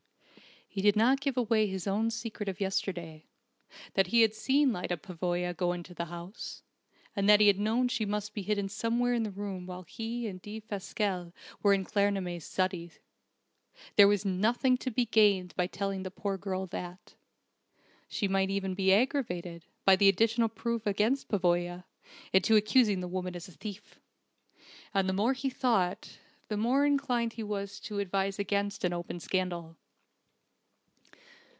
He did not give away his own secret of yesterday: that he had seen Lyda Pavoya go into the house, and that he had known she must be hidden somewhere in the room while he and Defasquelle were in Claremanagh's study. There was nothing to be gained by telling the poor girl that. She might even be aggravated, by the additional proof against Pavoya, into accusing the woman as a thief! And the more he thought, the more inclined he was to advise against an open scandal.